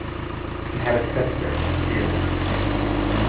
He had a sister, June.